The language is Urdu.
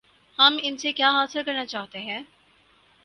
ہم ان سے کیا حاصل کرنا چاہتے ہیں؟